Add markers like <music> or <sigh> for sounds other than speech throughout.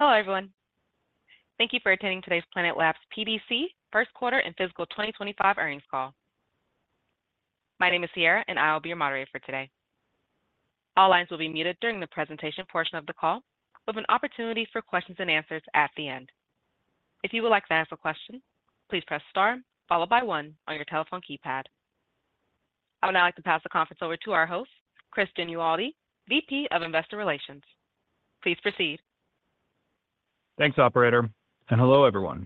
Hello, everyone. Thank you for attending today's Planet Labs PBC First Quarter and Fiscal 2025 earnings call. My name is Sierra, and I'll be your moderator for today. All lines will be muted during the presentation portion of the call, with an opportunity for questions and answers at the end. If you would like to ask a question, please press star followed by one on your telephone keypad. I would now like to pass the conference over to our host, Chris Genualdi, VP of Investor Relations. Please proceed. Thanks, Operator. Hello, everyone.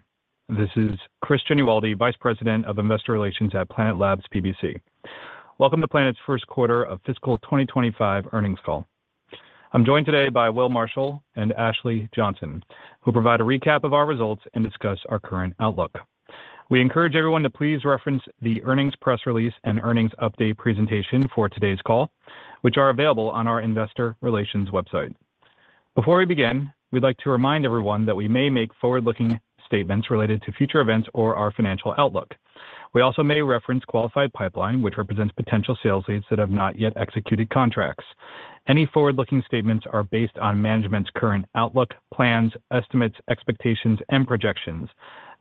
This is Chris Genualdi, Vice President of Investor Relations at Planet Labs PBC. Welcome to Planet's first quarter of fiscal 2025 earnings call. I'm joined today by Will Marshall and Ashley Johnson, who will provide a recap of our results and discuss our current outlook. We encourage everyone to please reference the earnings press release and earnings update presentation for today's call, which are available on our Investor Relations website. Before we begin, we'd like to remind everyone that we may make forward-looking statements related to future events or our financial outlook. We also may reference qualified pipeline, which represents potential sales leads that have not yet executed contracts. Any forward-looking statements are based on management's current outlook, plans, estimates, expectations, and projections.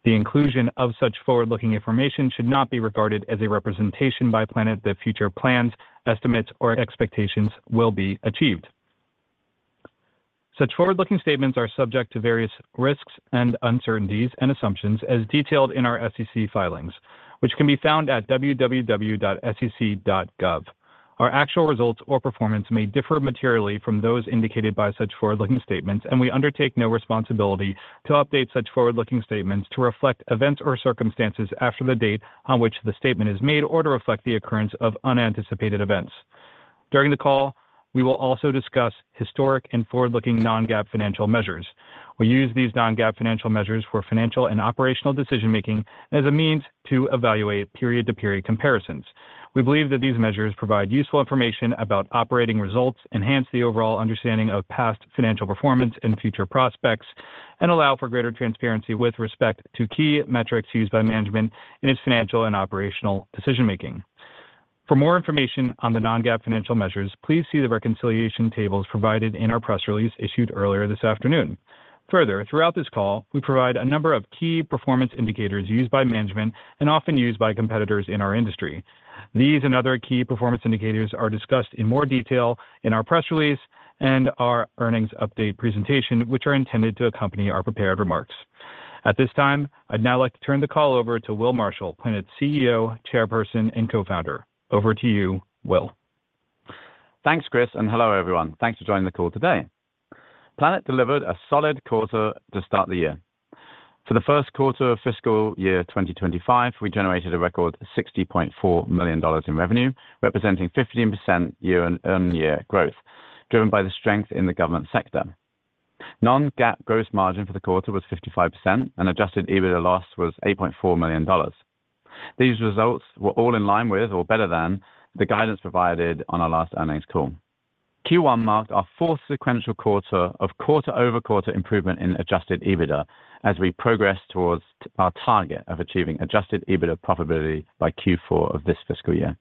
The inclusion of such forward-looking information should not be regarded as a representation by Planet that future plans, estimates, or expectations will be achieved. Such forward-looking statements are subject to various risks and uncertainties and assumptions, as detailed in our SEC filings, which can be found at www.sec.gov. Our actual results or performance may differ materially from those indicated by such forward-looking statements, and we undertake no responsibility to update such forward-looking statements to reflect events or circumstances after the date on which the statement is made or to reflect the occurrence of unanticipated events. During the call, we will also discuss historic and forward-looking non-GAAP financial measures. We use these non-GAAP financial measures for financial and operational decision-making as a means to evaluate period-to-period comparisons. We believe that these measures provide useful information about operating results, enhance the overall understanding of past financial performance and future prospects, and allow for greater transparency with respect to key metrics used by management in its financial and operational decision-making. For more information on the non-GAAP financial measures, please see the reconciliation tables provided in our press release issued earlier this afternoon. Further, throughout this call, we provide a number of key performance indicators used by management and often used by competitors in our industry. These and other key performance indicators are discussed in more detail in our press release and our earnings update presentation, which are intended to accompany our prepared remarks. At this time, I'd now like to turn the call over to Will Marshall, Planet's CEO, Chairperson, and Co-founder. Over to you, Will. Thanks, Chris, and hello, everyone. Thanks for joining the call today. Planet delivered a solid quarter to start the year. For the first quarter of fiscal year 2025, we generated a record $60.4 million in revenue, representing 15% year-on-year growth, driven by the strength in the government sector. Non-GAAP gross margin for the quarter was 55%, and Adjusted EBITDA loss was $8.4 million. These results were all in line with, or better than, the guidance provided on our last earnings call. Q1 marked our fourth sequential quarter of quarter-over-quarter improvement in Adjusted EBITDA as we progress towards our target of achieving Adjusted EBITDA profitability by Q4 of this fiscal year.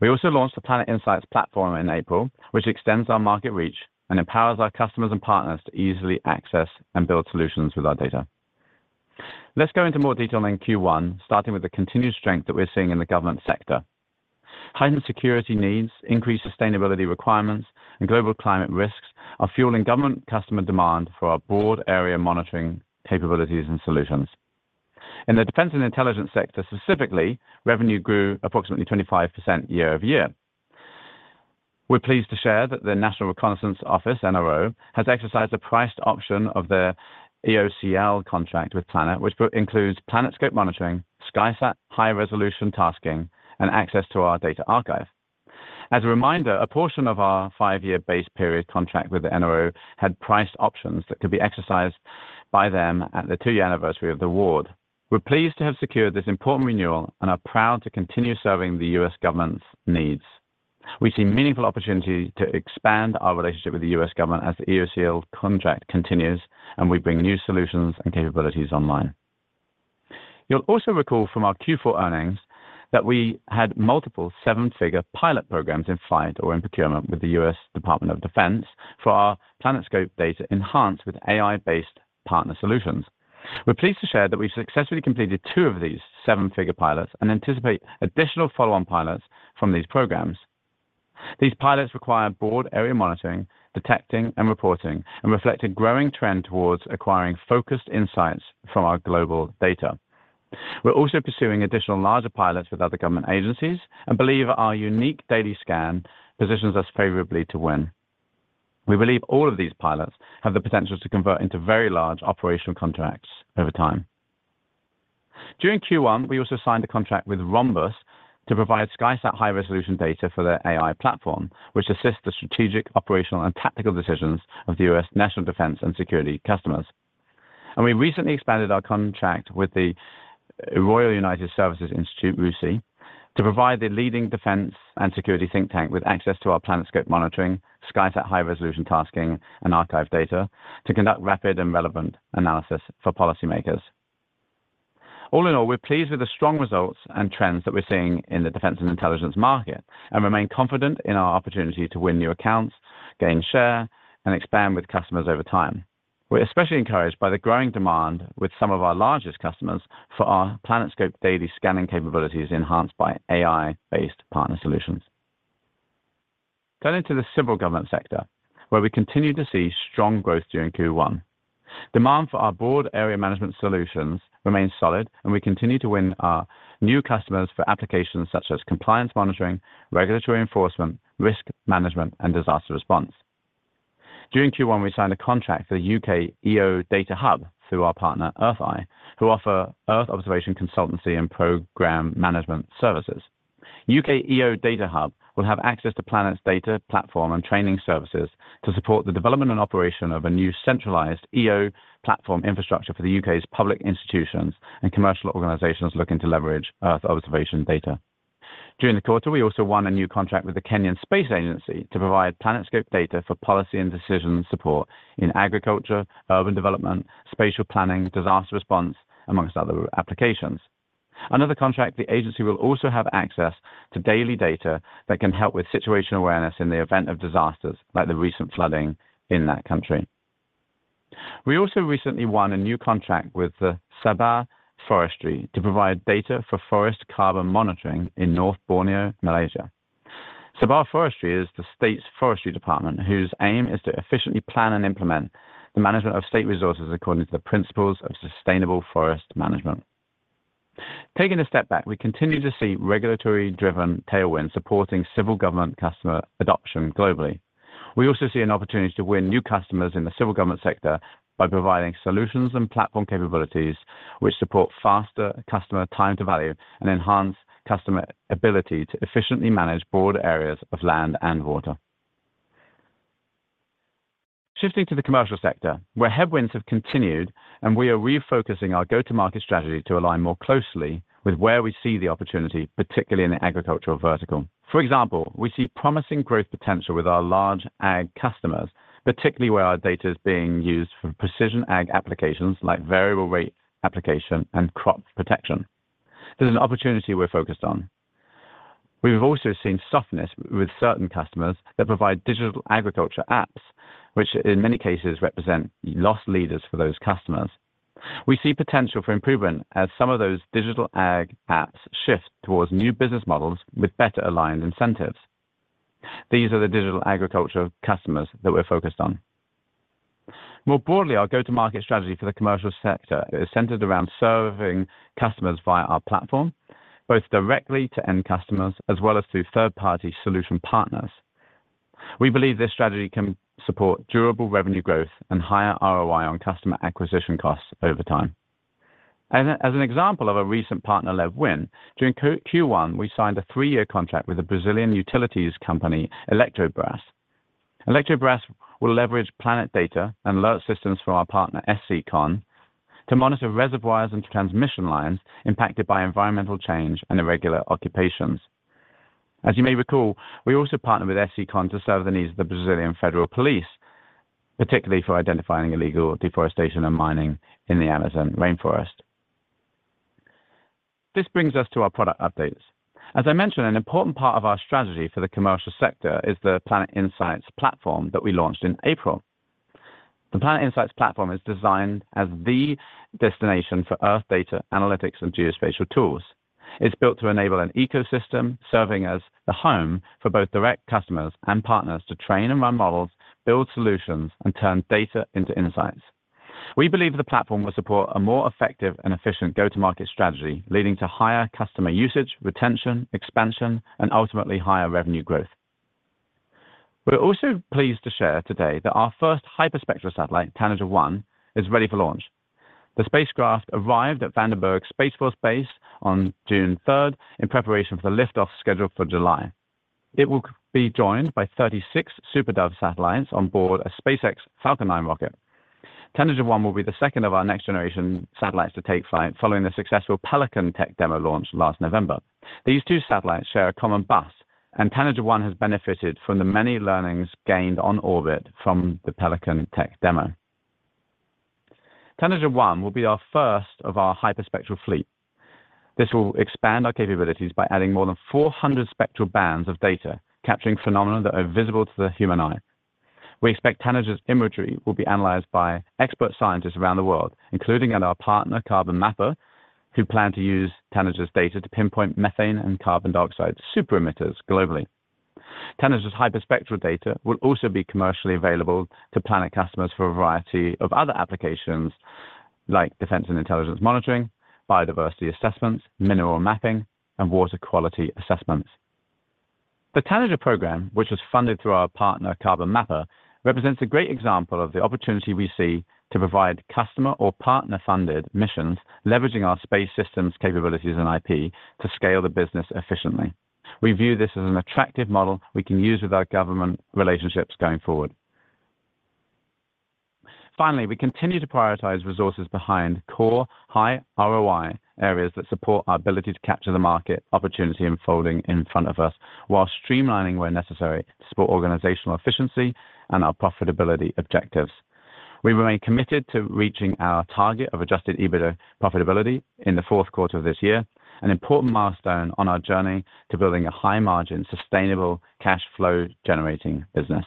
We also launched the Planet Insights Platform in April, which extends our market reach and empowers our customers and partners to easily access and build solutions with our data. Let's go into more detail in Q1, starting with the continued strength that we're seeing in the government sector. Heightened security needs, increased sustainability requirements, and global climate risks are fueling government customer demand for our broad area monitoring capabilities and solutions. In the defense and intelligence sector specifically, revenue grew approximately 25% year-over-year. We're pleased to share that the National Reconnaissance Office, NRO, has exercised a priced option of their EOCL contract with Planet, which includes PlanetScope monitoring, SkySat, high-resolution tasking, and access to our data archive. As a reminder, a portion of our five-year base period contract with the NRO had priced options that could be exercised by them at the two-year anniversary of the award. We're pleased to have secured this important renewal and are proud to continue serving the U.S. government's needs. We see meaningful opportunities to expand our relationship with the U.S. government as the EOCL contract continues and we bring new solutions and capabilities online. You'll also recall from our Q4 earnings that we had multiple seven-figure pilot programs in flight or in procurement with the U.S. Department of Defense for our PlanetScope data enhanced with AI-based partner solutions. We're pleased to share that we've successfully completed two of these seven-figure pilots and anticipate additional follow-on pilots from these programs. These pilots require broad area monitoring, detecting, and reporting, and reflect a growing trend towards acquiring focused insights from our global data. We're also pursuing additional larger pilots with other government agencies and believe our unique daily scan positions us favorably to win. We believe all of these pilots have the potential to convert into very large operational contracts over time. During Q1, we also signed a contract with Rhombus to provide SkySat high-resolution data for their AI platform, which assists the strategic, operational, and tactical decisions of the U.S. national defense and security customers. And we recently expanded our contract with the Royal United Services Institute, RUSI, to provide the leading defense and security think tank with access to our PlanetScope monitoring, SkySat high-resolution tasking, and archive data to conduct rapid and relevant analysis for policymakers. All in all, we're pleased with the strong results and trends that we're seeing in the defense and intelligence market and remain confident in our opportunity to win new accounts, gain share, and expand with customers over time. We're especially encouraged by the growing demand with some of our largest customers for our PlanetScope daily scanning capabilities enhanced by AI-based partner solutions. Turning to the civil government sector, where we continue to see strong growth during Q1, demand for our broad area management solutions remains solid, and we continue to win our new customers for applications such as compliance monitoring, regulatory enforcement, risk management, and disaster response. During Q1, we signed a contract for the UK EO Data Hub through our partner Earth-i, who offer Earth observation consultancy and program management services. UK EO Data Hub will have access to Planet's data platform and training services to support the development and operation of a new centralized EO platform infrastructure for the UK's public institutions and commercial organizations looking to leverage Earth observation data. During the quarter, we also won a new contract with the Kenyan Space Agency to provide PlanetScope data for policy and decision support in agriculture, urban development, spatial planning, disaster response, amongst other applications. Under the contract, the agency will also have access to daily data that can help with situational awareness in the event of disasters, like the recent flooding in that country. We also recently won a new contract with Sabah Forestry to provide data for forest carbon monitoring in North Borneo, Malaysia. Sabah Forestry is the state's forestry department, whose aim is to efficiently plan and implement the management of state resources according to the principles of sustainable forest management. Taking a step back, we continue to see regulatory-driven tailwinds supporting civil government customer adoption globally. We also see an opportunity to win new customers in the civil government sector by providing solutions and platform capabilities which support faster customer time-to-value and enhance customer ability to efficiently manage broad areas of land and water. Shifting to the commercial sector, where headwinds have continued, and we are refocusing our go-to-market strategy to align more closely with where we see the opportunity, particularly in the agricultural vertical. For example, we see promising growth potential with our large ag customers, particularly where our data is being used for precision ag applications like variable rate application and crop protection. This is an opportunity we're focused on. We've also seen softness with certain customers that provide digital agriculture apps, which in many cases represent loss leaders for those customers. We see potential for improvement as some of those digital ag apps shift towards new business models with better-aligned incentives. These are the digital agriculture customers that we're focused on. More broadly, our go-to-market strategy for the commercial sector is centered around serving customers via our platform, both directly to end customers as well as through third-party solution partners. We believe this strategy can support durable revenue growth and higher ROI on customer acquisition costs over time. As an example of a recent partner-led win, during Q1, we signed a three-year contract with the Brazilian utilities company Eletrobras. Eletrobras will leverage Planet data and alert systems from our partner SCCON to monitor reservoirs and transmission lines impacted by environmental change and irregular occupations. As you may recall, we also partner with SCCON to serve the needs of the Brazilian federal police, particularly for identifying illegal deforestation and mining in the Amazon rainforest. This brings us to our product updates. As I mentioned, an important part of our strategy for the commercial sector is the Planet Insights Platform that we launched in April. The Planet Insights Platform is designed as the destination for Earth data analytics and geospatial tools. It's built to enable an ecosystem, serving as the home for both direct customers and partners to train and run models, build solutions, and turn data into insights. We believe the platform will support a more effective and efficient go-to-market strategy, leading to higher customer usage, retention, expansion, and ultimately higher revenue growth. We're also pleased to share today that our first hyperspectral satellite, Tanager-1, is ready for launch. The spacecraft arrived at Vandenberg Space Force Base on June 3rd in preparation for the liftoff scheduled for July. It will be joined by 36 SuperDove satellites on board a SpaceX Falcon 9 rocket. Tanager-1 will be the second of our next-generation satellites to take flight following the successful Pelican tech demo launch last November. These two satellites share a common bus, and Tanager-1 has benefited from the many learnings gained on orbit from the Pelican tech demo. Tanager-1 will be our first of our hyperspectral fleet. This will expand our capabilities by adding more than 400 spectral bands of data, capturing phenomena that are visible to the human eye. We expect Tanager-1's imagery will be analyzed by expert scientists around the world, including at our partner Carbon Mapper, who plan to use Tanager-1's data to pinpoint methane and carbon dioxide super-emitters globally. Tanager-1's hyperspectral data will also be commercially available to Planet customers for a variety of other applications like defense and intelligence monitoring, biodiversity assessments, mineral mapping, and water quality assessments. The Tanager program, which was funded through our partner Carbon Mapper, represents a great example of the opportunity we see to provide customer or partner-funded missions, leveraging our space systems, capabilities, and IP to scale the business efficiently. We view this as an attractive model we can use with our government relationships going forward. Finally, we continue to prioritize resources behind core high ROI areas that support our ability to capture the market opportunity unfolding in front of us, while streamlining where necessary to support organizational efficiency and our profitability objectives. We remain committed to reaching our target of Adjusted EBITDA profitability in the fourth quarter of this year, an important milestone on our journey to building a high-margin, sustainable cash flow-generating business.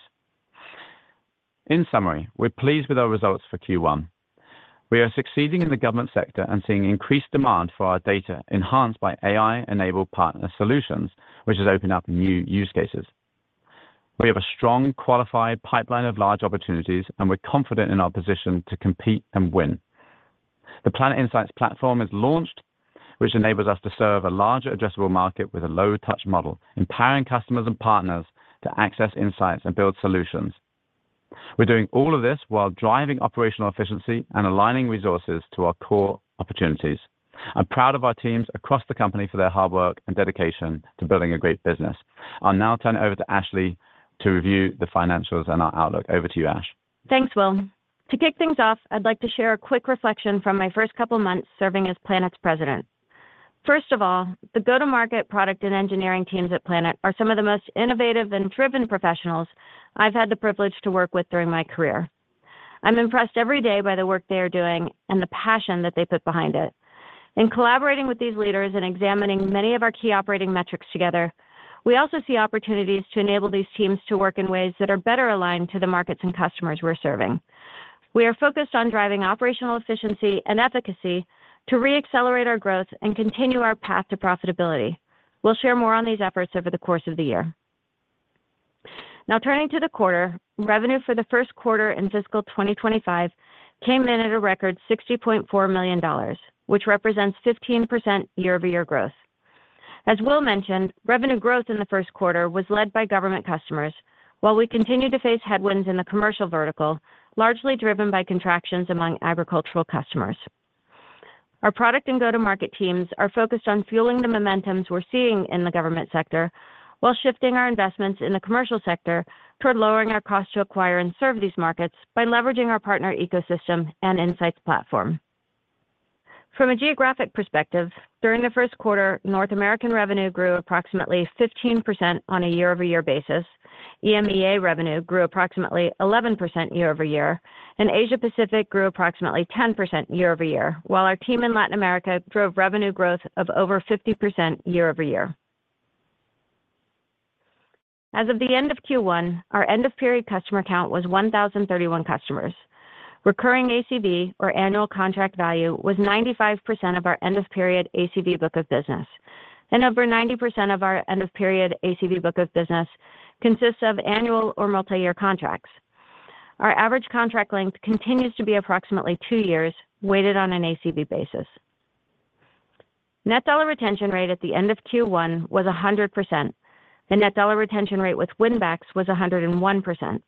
In summary, we're pleased with our results for Q1. We are succeeding in the government sector and seeing increased demand for our data enhanced by AI-enabled partner solutions, which has opened up new use cases. We have a strong, qualified pipeline of large opportunities, and we're confident in our position to compete and win. The Planet Insights Platform is launched, which enables us to serve a larger, addressable market with a low-touch model, empowering customers and partners to access insights and build solutions. We're doing all of this while driving operational efficiency and aligning resources to our core opportunities. I'm proud of our teams across the company for their hard work and dedication to building a great business. I'll now turn it over to Ashley to review the financials and our outlook. Over to you, Ash. Thanks, Will. To kick things off, I'd like to share a quick reflection from my first couple of months serving as Planet's president. First of all, the go-to-market product and engineering teams at Planet are some of the most innovative and driven professionals I've had the privilege to work with during my career. I'm impressed every day by the work they are doing and the passion that they put behind it. In collaborating with these leaders and examining many of our key operating metrics together, we also see opportunities to enable these teams to work in ways that are better aligned to the markets and customers we're serving. We are focused on driving operational efficiency and efficacy to re-accelerate our growth and continue our path to profitability. We'll share more on these efforts over the course of the year. Now, turning to the quarter, revenue for the first quarter in fiscal 2025 came in at a record $60.4 million, which represents 15% year-over-year growth. As Will mentioned, revenue growth in the first quarter was led by government customers, while we continue to face headwinds in the commercial vertical, largely driven by contractions among agricultural customers. Our product and go-to-market teams are focused on fueling the momentums we're seeing in the government sector while shifting our investments in the commercial sector toward lowering our cost to acquire and serve these markets by leveraging our partner ecosystem and Insights platform. From a geographic perspective, during the first quarter, North American revenue grew approximately 15% on a year-over-year basis, EMEA revenue grew approximately 11% year-over-year, and Asia-Pacific grew approximately 10% year-over-year, while our team in Latin America drove revenue growth of over 50% year-over-year. As of the end of Q1, our end-of-period customer count was 1,031 customers. Recurring ACV, or Annual Contract Value, was 95% of our end-of-period ACV book of business. Over 90% of our end-of-period ACV book of business consists of annual or multi-year contracts. Our average contract length continues to be approximately two years, weighted on an ACV basis. Net Dollar Retention Rate at the end of Q1 was 100%. The Net Dollar Retention Rate with Winbacks was 101%.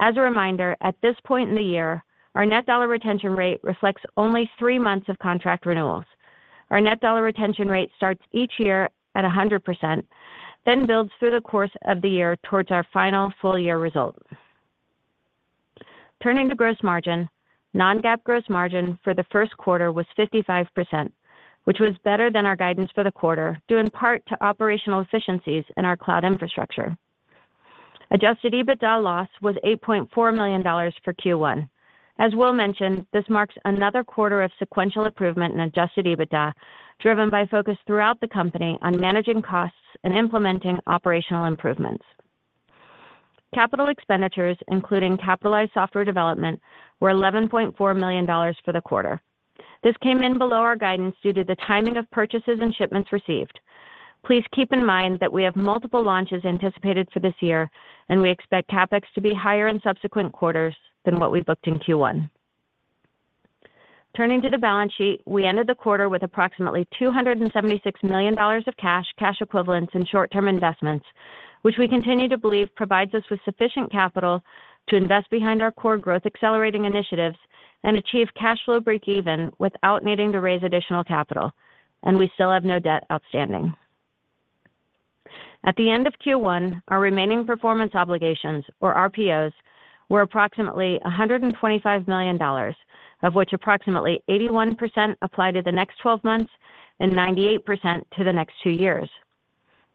As a reminder, at this point in the year, our Net Dollar Retention Rate reflects only three months of contract renewals. Our Net Dollar Retention Rate starts each year at 100%, then builds through the course of the year towards our final full-year result. Turning to gross margin, non-GAAP gross margin for the first quarter was 55%, which was better than our guidance for the quarter, due in part to operational efficiencies in our cloud infrastructure. Adjusted EBITDA loss was $8.4 million for Q1. As Will mentioned, this marks another quarter of sequential improvement in adjusted EBITDA, driven by focus throughout the company on managing costs and implementing operational improvements. Capital expenditures, including capitalized software development, were $11.4 million for the quarter. This came in below our guidance due to the timing of purchases and shipments received. Please keep in mind that we have multiple launches anticipated for this year, and we expect CapEx to be higher in subsequent quarters than what we booked in Q1. Turning to the balance sheet, we ended the quarter with approximately $276 million of cash, cash equivalents, and short-term investments, which we continue to believe provides us with sufficient capital to invest behind our core growth-accelerating initiatives and achieve cash flow break-even without needing to raise additional capital. We still have no debt outstanding. At the end of Q1, our remaining performance obligations, or RPOs, were approximately $125 million, of which approximately 81% apply to the next 12 months and 98% to the next two years.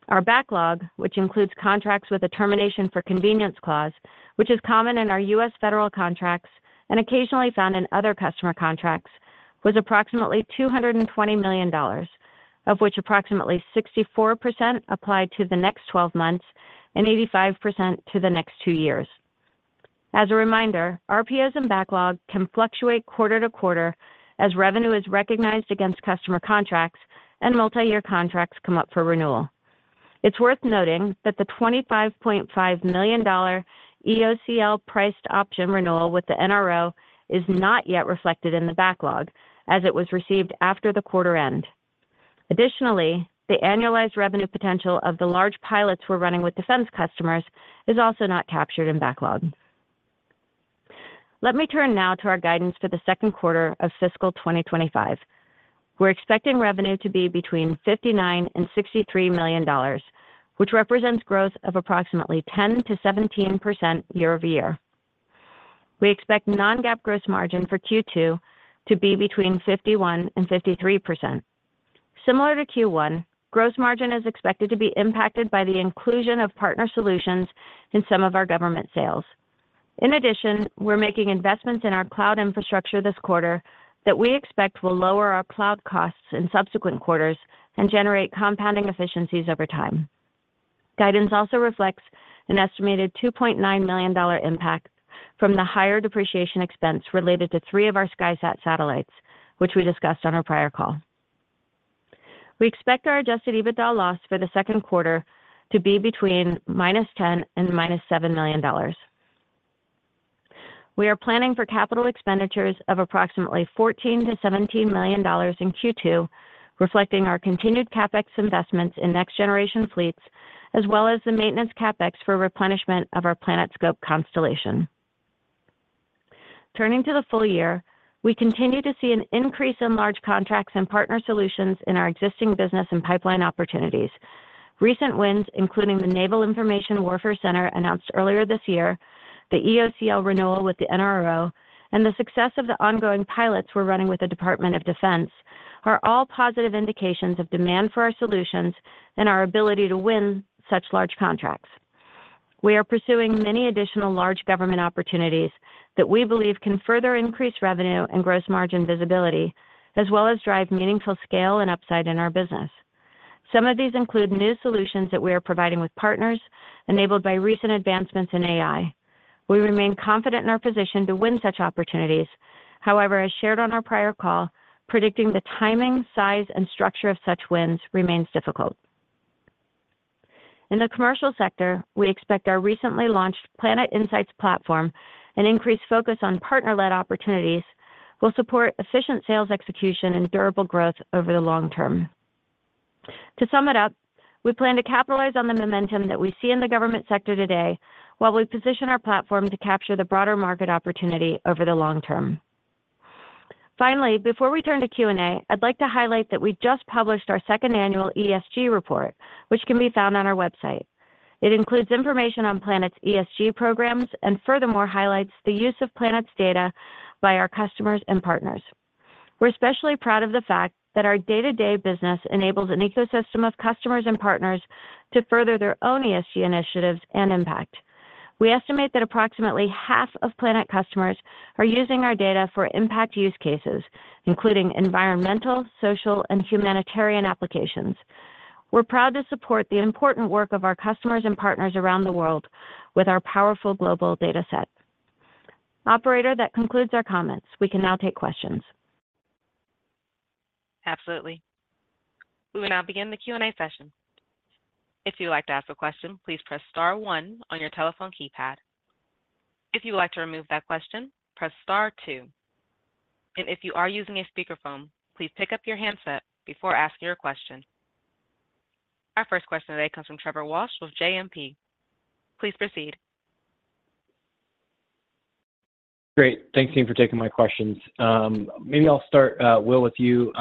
Our backlog, which includes contracts with a termination for convenience clause, which is common in our U.S. federal contracts and occasionally found in other customer contracts, was approximately $220 million, of which approximately 64% applied to the next 12 months and 85% to the next two years. As a reminder, RPOs and backlog can fluctuate quarter-to-quarter as revenue is recognized against customer contracts and multi-year contracts come up for renewal. It's worth noting that the $25.5 million EOCL priced option renewal with the NRO is not yet reflected in the backlog, as it was received after the quarter end. Additionally, the annualized revenue potential of the large pilots we're running with defense customers is also not captured in backlog. Let me turn now to our guidance for the second quarter of fiscal 2025. We're expecting revenue to be between $59-$63 million, which represents growth of approximately 10%-17% year-over-year. We expect non-GAAP gross margin for Q2 to be between 51%-53%. Similar to Q1, gross margin is expected to be impacted by the inclusion of partner solutions in some of our government sales. In addition, we're making investments in our cloud infrastructure this quarter that we expect will lower our cloud costs in subsequent quarters and generate compounding efficiencies over time. Guidance also reflects an estimated $2.9 million impact from the higher depreciation expense related to three of our SkySat satellites, which we discussed on our prior call. We expect our adjusted EBITDA loss for the second quarter to be between -$10 million and -$7 million. We are planning for capital expenditures of approximately $14-$17 million in Q2, reflecting our continued CapEx investments in next-generation fleets, as well as the maintenance CapEx for replenishment of our PlanetScope constellation. Turning to the full year, we continue to see an increase in large contracts and partner solutions in our existing business and pipeline opportunities. Recent wins, including the Naval Information Warfare Center announced earlier this year, the EOCL renewal with the NRO, and the success of the ongoing pilots we're running with the Department of Defense, are all positive indications of demand for our solutions and our ability to win such large contracts. We are pursuing many additional large government opportunities that we believe can further increase revenue and gross margin visibility, as well as drive meaningful scale and upside in our business. Some of these include new solutions that we are providing with partners, enabled by recent advancements in AI. We remain confident in our position to win such opportunities. However, as shared on our prior call, predicting the timing, size, and structure of such wins remains difficult. In the commercial sector, we expect our recently launched Planet Insights Platform and increased focus on partner-led opportunities will support efficient sales execution and durable growth over the long term. To sum it up, we plan to capitalize on the momentum that we see in the government sector today while we position our platform to capture the broader market opportunity over the long term. Finally, before we turn to Q&A, I'd like to highlight that we just published our second annual ESG report, which can be found on our website. It includes information on Planet's ESG programs and furthermore highlights the use of Planet's data by our customers and partners. We're especially proud of the fact that our day-to-day business enables an ecosystem of customers and partners to further their own ESG initiatives and impact. We estimate that approximately half of Planet customers are using our data for impact use cases, including environmental, social, and humanitarian applications. We're proud to support the important work of our customers and partners around the world with our powerful global data set. Operator, that concludes our comments. We can now take questions. Absolutely. We will now begin the Q&A session. If you'd like to ask a question, please press Star 1 on your telephone keypad. If you would like to remove that question, press Star 2. And if you are using a speakerphone, please pick up your handset before asking your question. Our first question today comes from Trevor Walsh with JMP. Please proceed. Great. Thanks, team, for taking my questions. Maybe I'll start, Will, with you.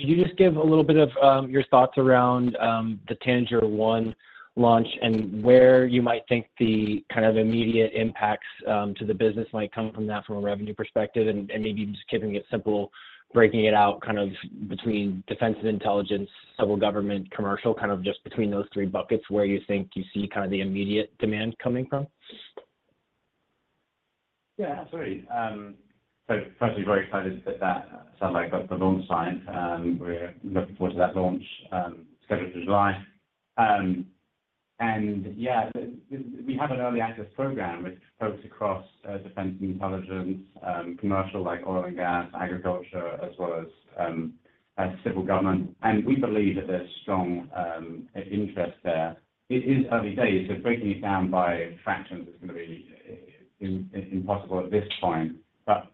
Could you just give a little bit of your thoughts around the Tanager-1 launch and where you might think the kind of immediate impacts to the business might come from that from a revenue perspective? And maybe just keeping it simple, breaking it out kind of between defense and intelligence, civil government, commercial, kind of just between those three buckets where you think you see kind of the immediate demand coming from? Yeah, absolutely. So firstly, very excited that that sounds like the launch time. We're looking forward to that launch scheduled for July. And yeah, we have an early access program with folks across defense and intelligence, commercial like oil and gas, agriculture, as well as civil government. And we believe that there's strong interest there. It is early days, so breaking it down by fractions is going to be impossible at this point. But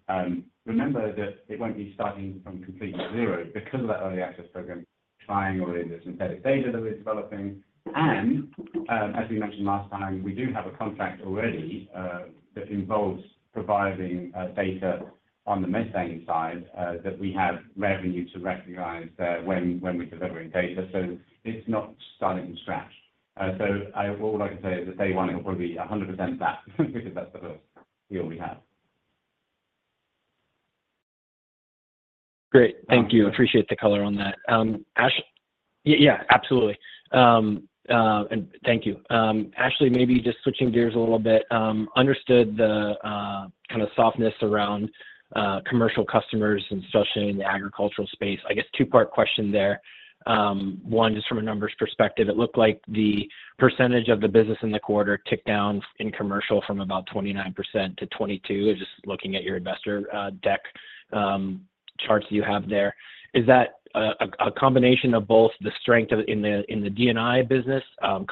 remember that it won't be starting from completely zero because of that early access program. Trying already the synthetic data that we're developing. And as we mentioned last time, we do have a contract already that involves providing data on the methane side that we have revenue to recognize when we're delivering data. So it's not starting from scratch. So all I can say is that day one, it'll probably be 100% that because that's the first deal we have. Great. Thank you. Appreciate the color on that. Ashley? Yeah, absolutely. And thank you. Ashley, maybe just switching gears a little bit. Understood the kind of softness around commercial customers and especially in the agricultural space. I guess two-part question there. One, just from a numbers perspective, it looked like the percentage of the business in the quarter ticked down in commercial from about 29%-22%. Just looking at your investor deck charts that you have there. Is that a combination of both the strength in the D&I business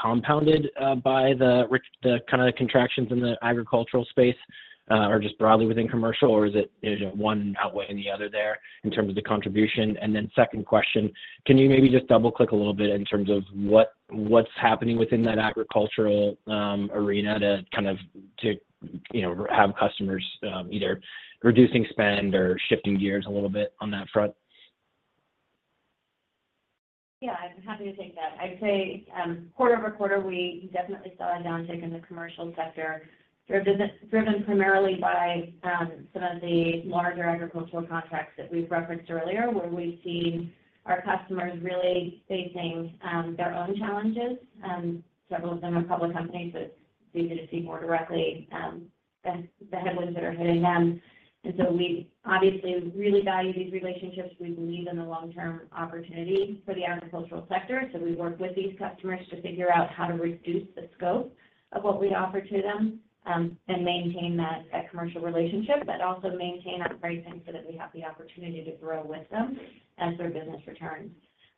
compounded by the kind of contractions in the agricultural space or just broadly within commercial, or is it one outweighing the other there in terms of the contribution? And then second question, can you maybe just double-click a little bit in terms of what's happening within that agricultural arena to kind of have customers either reducing spend or shifting gears a little bit on that front? Yeah, I'm happy to take that. I'd say quarter-over-quarter, we definitely saw a downtick in the commercial sector, driven primarily by some of the larger agricultural contracts that we've referenced earlier, where we've seen our customers really facing their own challenges. Several of them are public companies, so it's easy to see more directly the headwinds that are hitting them. And so we obviously really value these relationships. We believe in the long-term opportunity for the agricultural sector. So we work with these customers to figure out how to reduce the scope of what we offer to them and maintain that commercial relationship, but also maintain our pricing so that we have the opportunity to grow with them as their business returns.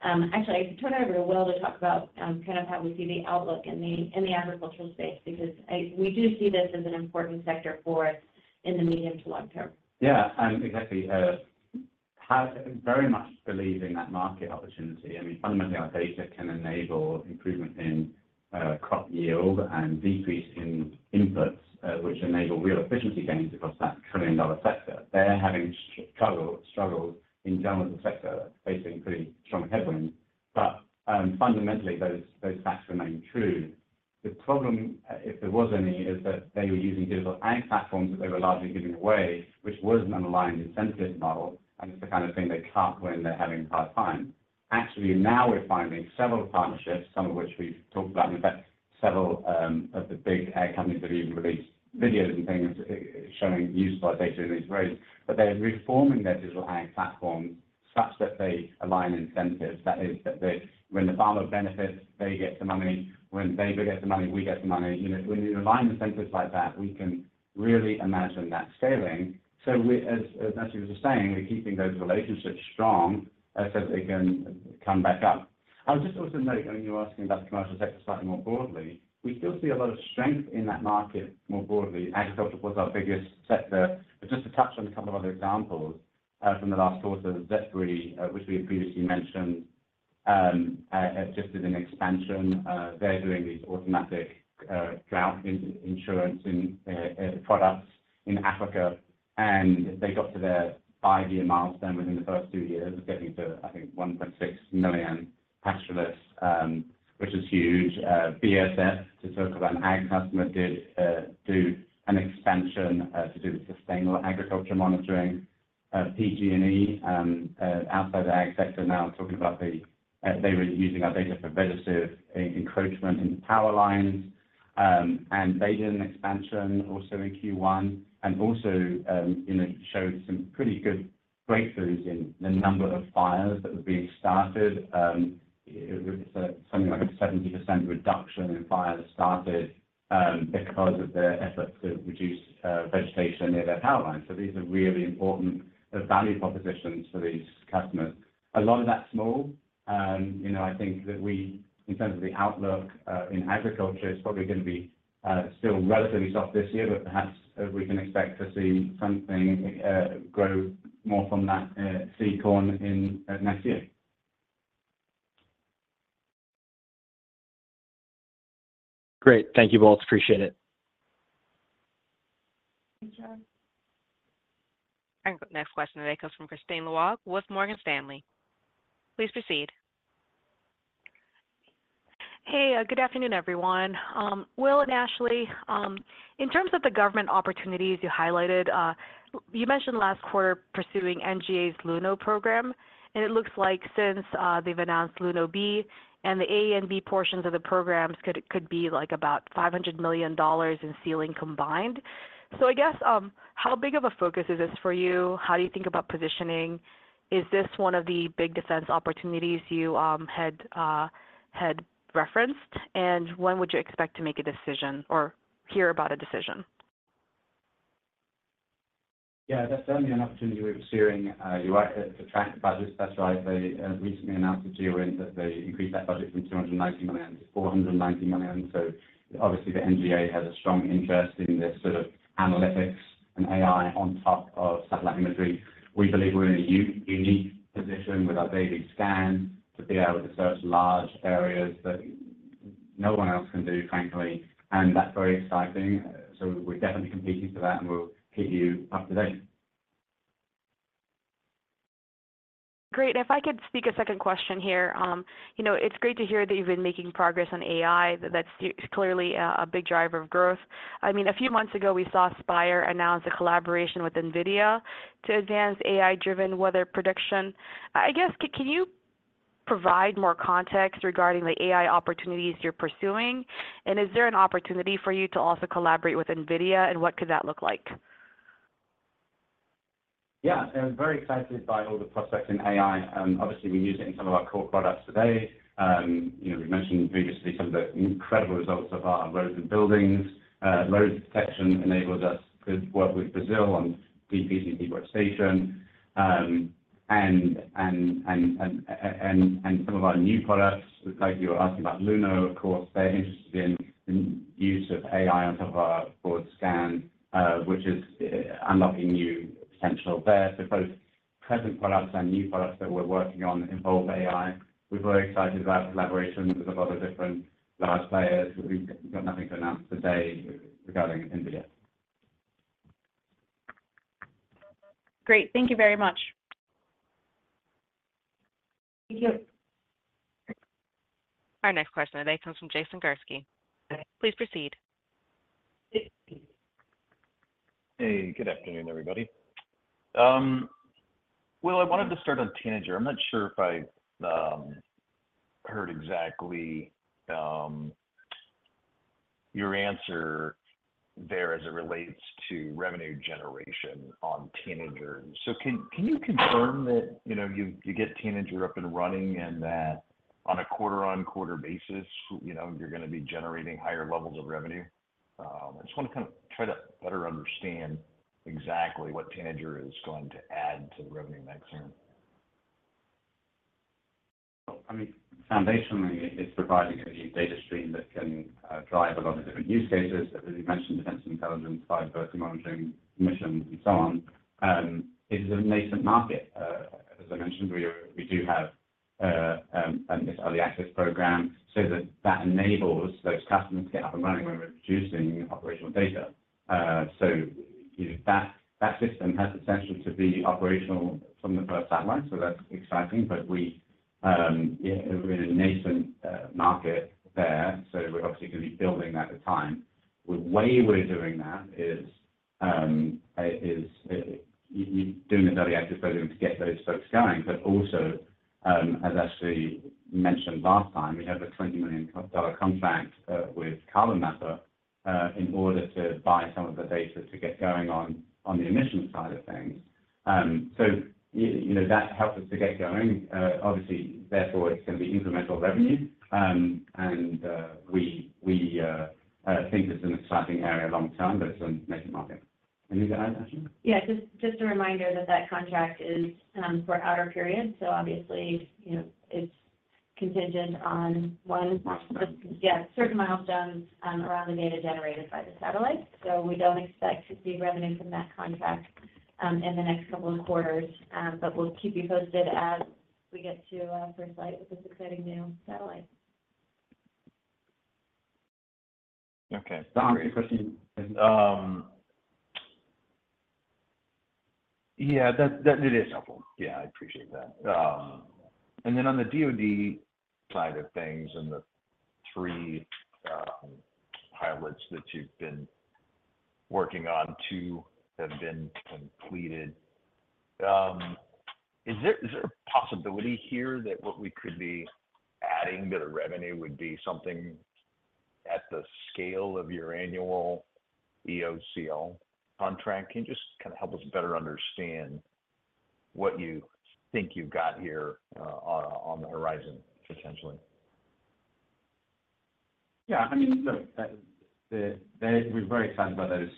Actually, I turn it over to Will to talk about kind of how we see the outlook in the agricultural space because we do see this as an important sector for us in the medium to long term. Yeah, exactly. Very much believe in that market opportunity. I mean, fundamentally, our data can enable improvement in crop yield and decrease in inputs, which enable real efficiency gains across that $1 trillion-dollar sector. They're having struggled in general as a sector facing pretty strong headwinds. But fundamentally, those facts remain true. The problem, if there was any, is that they were using digital ag platforms that they were largely giving away, which was an unaligned incentive model, and it's the kind of thing they cut when they're having a hard time. Actually, now we're finding several partnerships, some of which we've talked about, in fact, several of the big ag companies have even released videos and things showing use of our data in these ways. But they're reforming their digital ag platforms such that they align incentives. That is, when the farmer benefits, they get some money. When they get some money, we get some money. When you align incentives like that, we can really imagine that scaling. So as Ashley was just saying, we're keeping those relationships strong so that they can come back up. I would just also note, when you were asking about the commercial sector slightly more broadly, we still see a lot of strength in that market more broadly. Agriculture was our biggest sector. But just to touch on a couple of other examples from the last quarter, ZEP-RE, which we had previously mentioned, just did an expansion. They're doing these automatic drought insurance products in Africa. And they got to their 5-year milestone within the first 2 years, getting to, I think, 1.6 million pastoralists, which is huge. BASF, to talk about an ag customer, did an expansion to do with sustainable agriculture monitoring PG&E, outside the ag sector, now talking about they were using our data for vegetative encroachment in power lines. They did an expansion also in Q1 and also showed some pretty good breakthroughs in the number of fires that were being started. It's something like a 70% reduction in fires started because of their efforts to reduce vegetation near their power lines. So these are really important value propositions for these customers. A lot of that's small. I think that we, in terms of the outlook in agriculture, it's probably going to be still relatively soft this year, but perhaps we can expect to see something grow more from that seed corn next year. Great. Thank you both. Appreciate it. Thank you. Next question, I think, comes from Kristine Liwag with Morgan Stanley. Please proceed. Hey, good afternoon, everyone. Will and Ashley, in terms of the government opportunities you highlighted, you mentioned last quarter pursuing NGA's Luno program. And it looks like since they've announced Luno B and the A and B portions of the programs could be like about $500 million in ceiling combined. So I guess, how big of a focus is this for you? How do you think about positioning? Is this one of the big defense opportunities you had referenced? And when would you expect to make a decision or hear about a decision? Yeah, that's certainly an opportunity we were steering. You're right. It's a track budget. That's right. They recently announced a deal that they increased that budget from $290 million to $490 million. So obviously, the NGA has a strong interest in this sort of analytics and AI on top of satellite imagery. We believe we're in a unique position with our Pelican to be able to search large areas that no one else can do, frankly. That's very exciting. We're definitely competing for that, and we'll keep you up to date. Great. If I could ask a second question here. It's great to hear that you've been making progress on AI. That's clearly a big driver of growth. I mean, a few months ago, we saw Spire announce a collaboration with NVIDIA to advance AI-driven weather prediction. I guess, can you provide more context regarding the AI opportunities you're pursuing? And is there an opportunity for you to also collaborate with NVIDIA, and what could that look like? Yeah, I'm very excited by all the prospects in AI. Obviously, we use it in some of our core products today. We've mentioned previously some of the incredible results of our Road and Buildings. Road and Building Detection enables us to work with Brazil on <audio distortion> workstation. Some of our new products, like you were asking about Luno, of course, they're interested in the use of AI on top of our broad scan, which is unlocking new potential there. So both present products and new products that we're working on involve AI. We're very excited about collaborations with a lot of different large players that we've got nothing to announce today regarding NVIDIA. Great. Thank you very much. Thank you. Our next question today comes from Jason Gursky. Please proceed. Hey, good afternoon, everybody. Will, I wanted to start on Tanager. I'm not sure if I heard exactly your answer there as it relates to revenue generation on Tanager. So can you confirm that you get Tanager up and running and that on a quarter-on-quarter basis, you're going to be generating higher levels of revenue? I just want to kind of try to better understand exactly what Tanager is going to add to the revenue next year. I mean, foundationally, it's providing a new data stream that can drive a lot of different use cases that, as you mentioned, defense intelligence, biodiversity monitoring, missions, and so on. It is a nascent market. As I mentioned, we do have this early access program. So that enables those customers to get up and running when we're producing operational data. So that system has the potential to be operational from the first satellite. So that's exciting. But we're in a nascent market there. So we're obviously going to be building that with time. The way we're doing that is doing this early access program to get those folks going. But also, as Ashley mentioned last time, we have a $20 million contract with Carbon Mapper in order to buy some of the data to get going on the emissions side of things. So that helps us to get going. Obviously, therefore, it's going to be incremental revenue. And we think it's an exciting area long term, but it's a nascent market. Anything to add, Ashley? Yeah, just a reminder that that contract is for outer period. So obviously, it's contingent on one. Yeah, certain milestones around the data generated by the satellite. So we don't expect to see revenue from that contract in the next couple of quarters. But we'll keep you posted as we get to first light with this exciting new satellite. Okay. That's a great question. Yeah, that is helpful. Yeah, I appreciate that. And then on the DOD side of things and the 3 pilots that you've been working on, 2 have been completed. Is there a possibility here that what we could be adding to the revenue would be something at the scale of your annual EOCL contract? Can you just kind of help us better understand what you think you've got here on the horizon, potentially? Yeah, I mean, look, we're very excited about those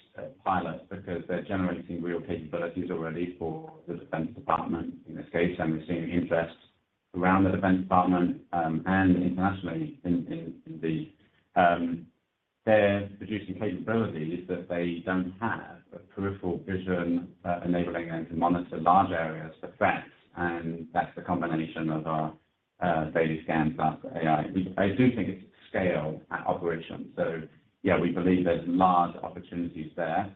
pilots because they're generating real capabilities already for the Defense Department in this case. And we're seeing interest around the Defense Department and internationally indeed. They're producing capabilities that they don't have, a peripheral vision enabling them to monitor large areas for threats. And that's the combination of our daily scans, AI. I do think it's scale at operations. So yeah, we believe there's large opportunities there.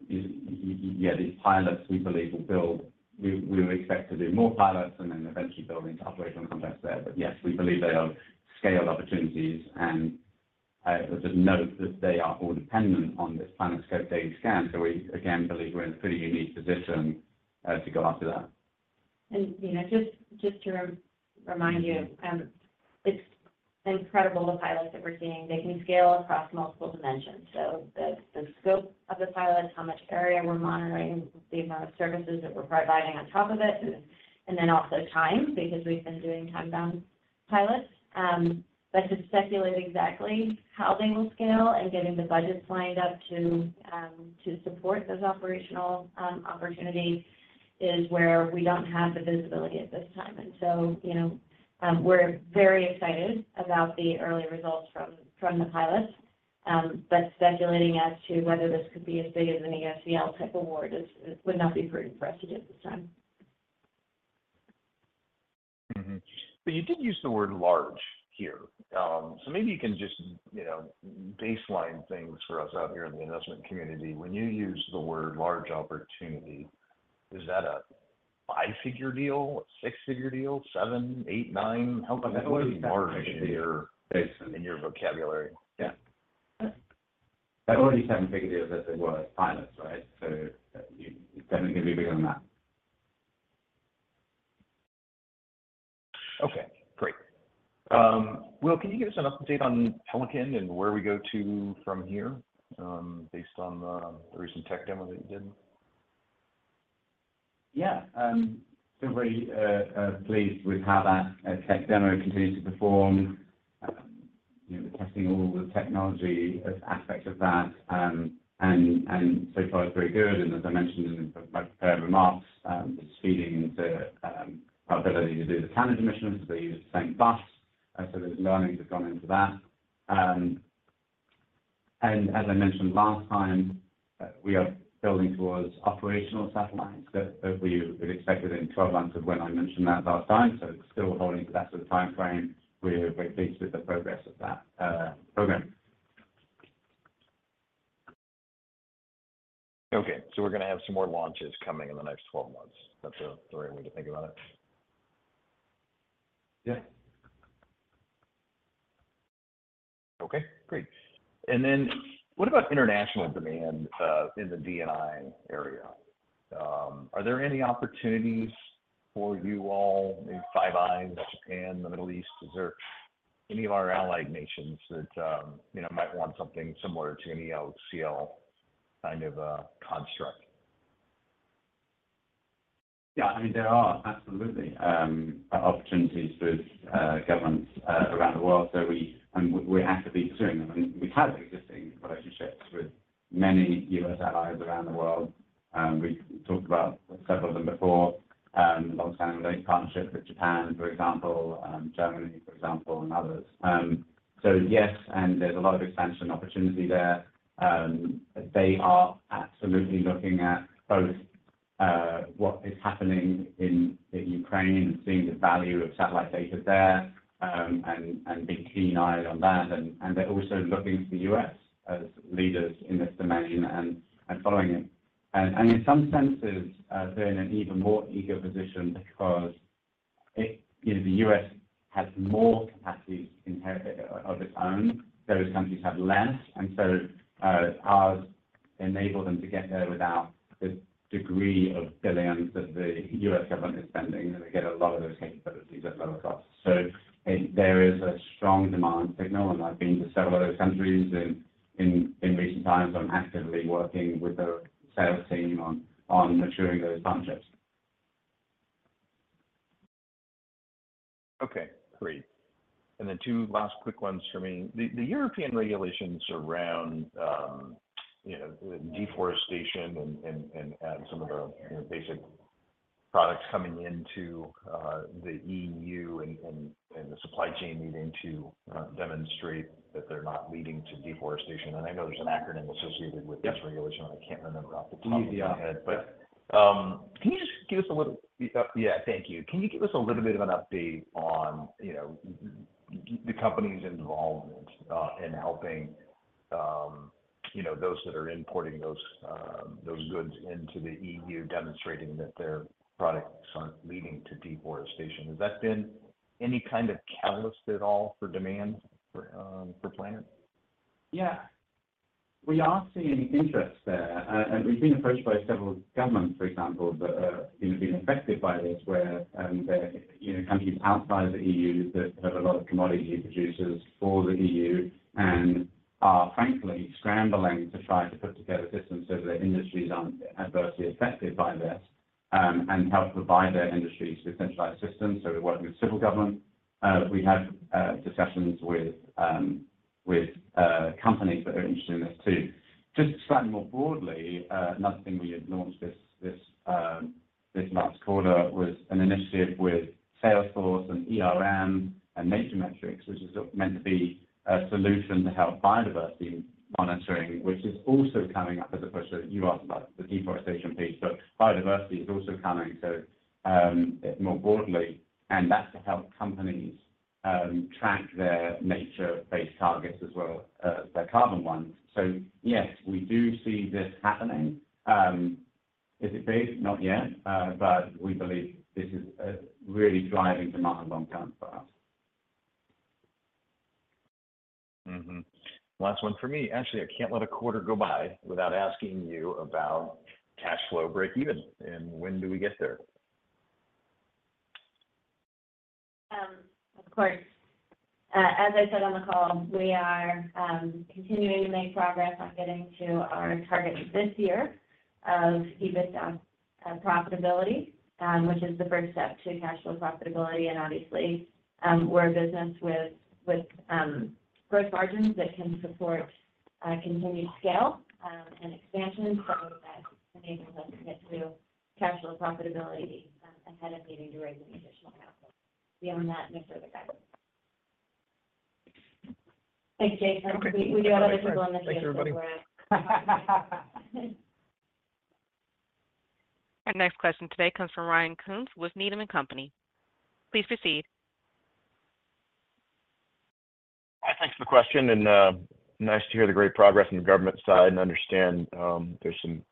Yeah, these pilots, we believe, will build. We would expect to do more pilots and then eventually build into operational contracts there. But yes, we believe they are scale opportunities. And I would just note that they are all dependent on this PlanetScope daily scan. So we, again, believe we're in a pretty unique position to go after that. And just to remind you, it's incredible the pilots that we're seeing. They can scale across multiple dimensions. So the scope of the pilots, how much area we're monitoring, the amount of services that we're providing on top of it, and then also time because we've been doing time-bound pilots. But to speculate exactly how they will scale and getting the budgets lined up to support those operational opportunities is where we don't have the visibility at this time. And so we're very excited about the early results from the pilots. But speculating as to whether this could be as big as an EOCL type award would not be prudent for us to do at this time. But you did use the word large here. So maybe you can just baseline things for us out here in the investment community. When you use the word large opportunity, is that a five-figure deal, six-figure deal, seven, eight, nine? How large is it in your vocabulary? Yeah. That's already seven-figure deals as it was pilots, right? So it's definitely going to be bigger than that. Okay. Great. Will, can you give us an update on Pelican and where we go to from here based on the recent tech demo that you did? Yeah. Feel very pleased with how that tech demo continues to perform. We're testing all the technology aspects of that. And so far it's very good. And as I mentioned in my remarks, this is feeding into our ability to do the carbon emissions because they use the same bus. So there's learnings that have gone into that. And as I mentioned last time, we are building towards operational satellites that we would expect within 12 months of when I mentioned that last time. So it's still holding to that sort of time frame. We're very pleased with the progress of that program. Okay. So we're going to have some more launches coming in the next 12 months. That's the right way to think about it. Yeah. Okay. Great. And then what about international demand in the D&I area? Are there any opportunities for you all, maybe Five Eyes, Japan, the Middle East? Is there any of our allied nations that might want something similar to an EOCL kind of construct? Yeah. I mean, there are, absolutely, opportunities for governments around the world. So we have to be pursuing them. And we have existing relationships with many U.S. allies around the world. We talked about several of them before, long-standing relationships with Japan, for example, Germany, for example, and others. So yes, and there's a lot of expansion opportunity there. They are absolutely looking at both what is happening in Ukraine and seeing the value of satellite data there and being keen-eyed on that. And they're also looking to the U.S. as leaders in this domain and following it. And in some senses, they're in an even more eager position because the U.S. has more capacities of its own. Those countries have less. And so ours enables them to get there without the degree of billions that the U.S. government is spending. And they get a lot of those capabilities at lower costs. So there is a strong demand signal. And I've been to several of those countries in recent times and I'm actively working with the sales team on maturing those partnerships. Okay. Great. And then two last quick ones for me. The European regulations around deforestation and some of the basic products coming into the EU and the supply chain needing to demonstrate that they're not leading to deforestation. And I know there's an acronym associated with this regulation. I can't remember off the top of my head. Can you just give us a little? Yeah. Thank you. Can you give us a little bit of an update on the company's involvement in helping those that are importing those goods into the EU, demonstrating that their products aren't leading to deforestation? Has that been any kind of catalyst at all for demand for Planet's? Yeah. We are seeing interest there. And we've been approached by several governments, for example, that have been affected by this, where countries outside the EU that have a lot of commodity producers for the EU and are, frankly, scrambling to try to put together systems so that their industries aren't adversely affected by this and help provide their industries with centralized systems. So we're working with several governments. We have discussions with companies that are interested in this too. Just slightly more broadly, another thing we had launched this last quarter was an initiative with Salesforce and NatureMetrics, which is meant to be a solution to help biodiversity monitoring, which is also coming up as a pusher. You asked about the deforestation piece, but biodiversity is also coming to it more broadly. And that's to help companies track their nature-based targets as well as their carbon ones. So yes, we do see this happening. Is it big? Not yet. But we believe this is a really driving demand on the ground for us. Last one for me. Ashley, I can't let a quarter go by without asking you about cash flow breakeven. And when do we get there? Of course. As I said on the call, we are continuing to make progress on getting to our target this year of EBITDA profitability, which is the first step to cash flow profitability. Obviously, we're a business with gross margins that can support continued scale and expansion. That enables us to get to cash flow profitability ahead of needing to raise any additional capital. Beyond that, no further guidance. Thanks, Jason. We do have other people in the field, so we're at. Our next question today comes from Ryan Koontz with Needham & Company. Please proceed. Hi. Thanks for the question. And nice to hear the great progress on the government side and understand there's some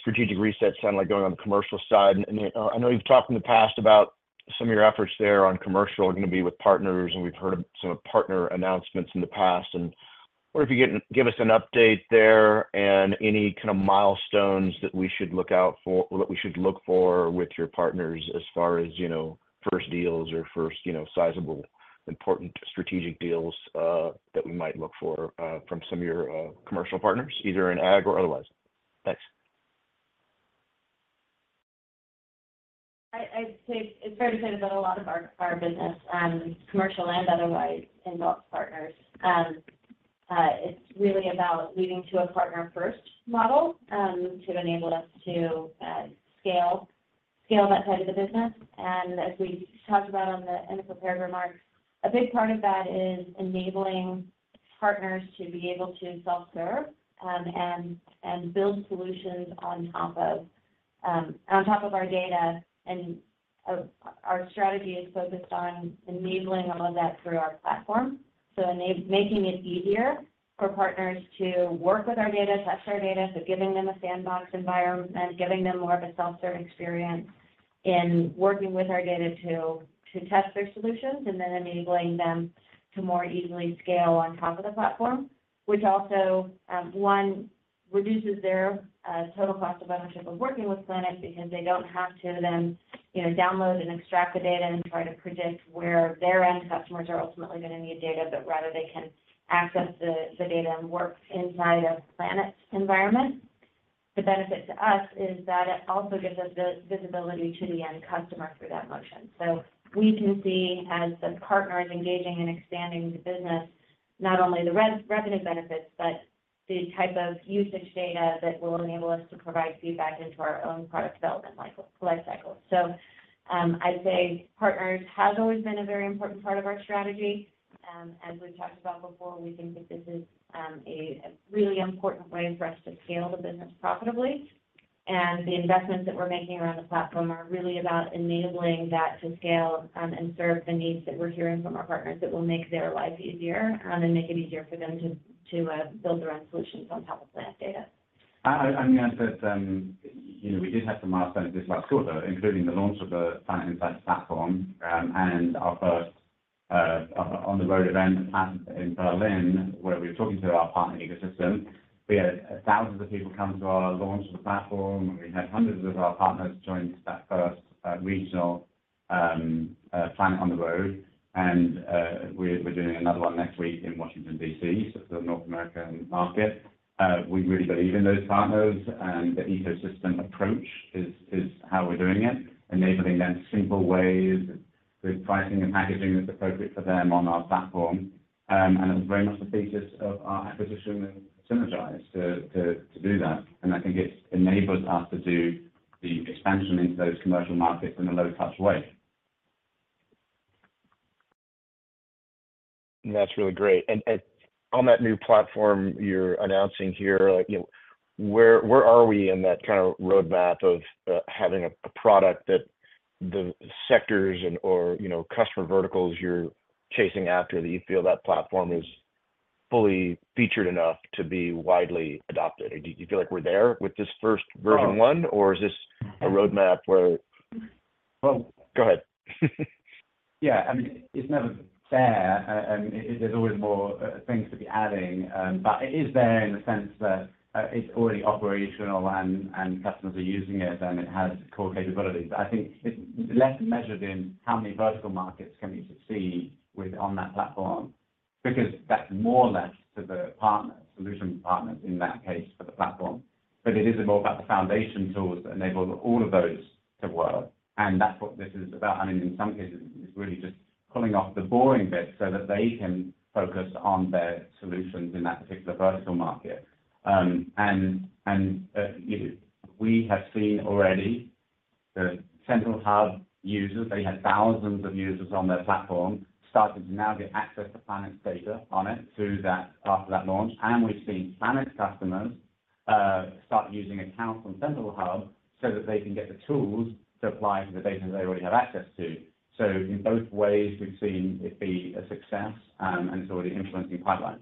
strategic resets sound like going on the commercial side. And I know you've talked in the past about some of your efforts there on commercial are going to be with partners. We've heard some of the partner announcements in the past. What if you give us an update there and any kind of milestones that we should look out for, that we should look for with your partners as far as first deals or first sizable important strategic deals that we might look for from some of your commercial partners, either in ag or otherwise? Thanks. I'd say it's fair to say that a lot of our business, commercial and otherwise, involves partners. It's really about leading to a partner-first model to enable us to scale that side of the business. As we talked about in the prepared remarks, a big part of that is enabling partners to be able to self-serve and build solutions on top of our data. Our strategy is focused on enabling all of that through our platform. Making it easier for partners to work with our data, test our data, so giving them a sandbox environment, giving them more of a self-serve experience in working with our data to test their solutions, and then enabling them to more easily scale on top of the platform, which also, one, reduces their total cost of ownership of working with Planet because they don't have to then download and extract the data and try to predict where their end customers are ultimately going to need data, but rather they can access the data and work inside of Planet's environment. The benefit to us is that it also gives us the visibility to the end customer through that motion. We can see, as the partner is engaging and expanding the business, not only the revenue benefits, but the type of usage data that will enable us to provide feedback into our own product development lifecycle. I'd say partners have always been a very important part of our strategy. As we've talked about before, we think that this is a really important way for us to scale the business profitably. The investments that we're making around the platform are really about enabling that to scale and serve the needs that we're hearing from our partners that will make their life easier and make it easier for them to build their own solutions on top of Planet data. I'm going to add that we did have some milestones this last quarter, including the launch of the Planet Insights Platform and our first On the Road event in Berlin where we were talking to our partner ecosystem. We had thousands of people come to our launch of the platform. We had hundreds of our partners join that first regional Planet on the Road. We're doing another one next week in Washington, D.C., so for the North American market. We really believe in those partners. The ecosystem approach is how we're doing it, enabling them simple ways with pricing and packaging that's appropriate for them on our platform. It was very much the thesis of our acquisition and Sinergise to do that. I think it's enabled us to do the expansion into those commercial markets in a low-touch way. That's really great. On that new platform you're announcing here, where are we in that kind of roadmap of having a product that the sectors or customer verticals you're chasing after that you feel that platform is fully featured enough to be widely adopted? Do you feel like we're there with this first version one? Or is this a roadmap where? Well, go ahead. Yeah. I mean, it's never there. There's always more things to be adding. But it is there in the sense that it's already operational and customers are using it and it has core capabilities. I think it's less measured in how many vertical markets can we succeed with on that platform because that's more or less to the solution partners in that case for the platform. But it is more about the foundation tools that enable all of those to work. And that's what this is about. I mean, in some cases, it's really just pulling off the boring bit so that they can focus on their solutions in that particular vertical market. And we have seen already the Sentinel Hub users—they had thousands of users on their platform—started to now get access to Planet's data on it after that launch. And we've seen Planet customers start using accounts on Sentinel Hub so that they can get the tools to apply to the data they already have access to. So in both ways, we've seen it be a success, and it's already influencing pipelines.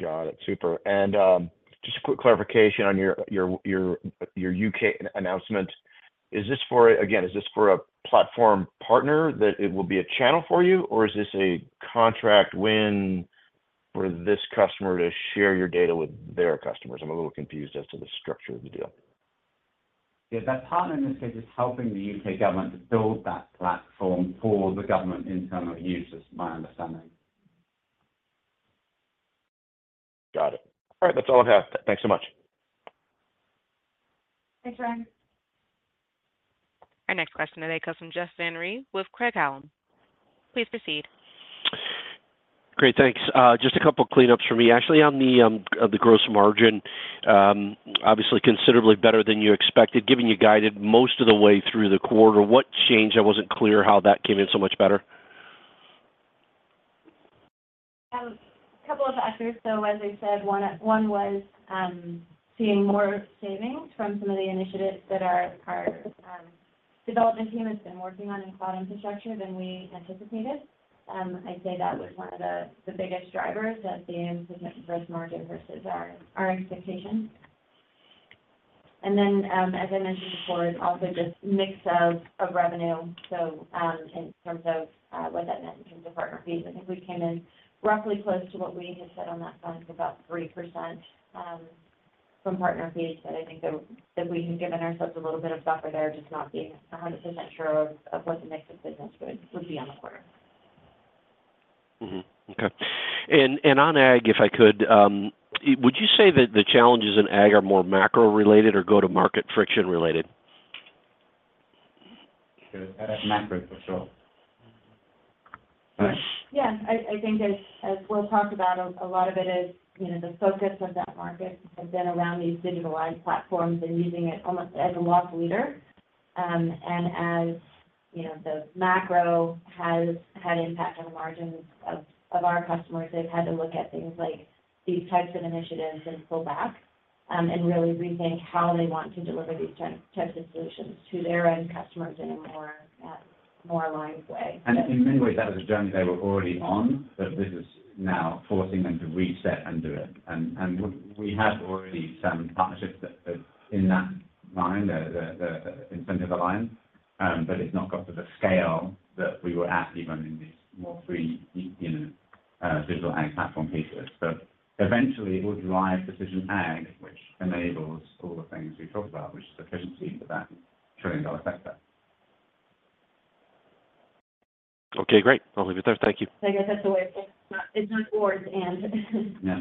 Got it. Super. And just a quick clarification on your U.K. announcement. Again, is this for a platform partner that it will be a channel for you? Or is this a contract win for this customer to share your data with their customers? I'm a little confused as to the structure of the deal. Yeah. That partner, in this case, is helping the UK government to build that platform for the government internal users, my understanding. Got it. All right. That's all I have. Thanks so much. Thanks, Ryan. Our next question today comes from Jeff Van Rhee with Craig-Hallum. Please proceed. Great. Thanks. Just a couple of cleanups for me. Ashley, on the gross margin, obviously considerably better than you expected, giving you guided most of the way through the quarter. What changed that wasn't clear how that came in so much better? A couple of factors. So as I said, one was seeing more savings from some of the initiatives that our development team has been working on in cloud infrastructure than we anticipated. I'd say that was one of the biggest drivers of being in position for gross margin versus our expectations. And then, as I mentioned before, it's also just a mix of revenue. So in terms of what that meant in terms of partner fees, I think we came in roughly close to what we had said on that front, about 3% from partner fees. But I think that we had given ourselves a little bit of buffer there, just not being 100% sure of what the mix of business would be on the quarter. Okay. And on ag, if I could, would you say that the challenges in ag are more macro-related or go-to-market friction-related? Macro, for sure. Yeah. I think, as we'll talk about, a lot of it is the focus of that market has been around these digitalized platforms and using it almost as a loss leader. And as the macro has had impact on the margins of our customers, they've had to look at things like these types of initiatives and pull back and really rethink how they want to deliver these types of solutions to their end customers in a more aligned way. And in many ways, that was a journey they were already on, but this is now forcing them to reset and do it. And we have already some partnerships in that line, the Syngenta alliance, but it's not got to the scale that we were at even in these more free digital ag platform pieces. But eventually, it will drive precision ag, which enables all the things we've talked about, which is efficiency for that trillion-dollar sector. Okay. Great. I'll leave it there. Thank you. I guess that's a way of saying it's not words and. Yeah.